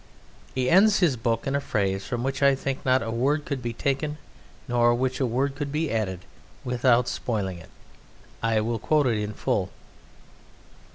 He ends his book in a phrase from which I think not a word could be taken nor to which a word could be added without spoiling it. I will quote it in full.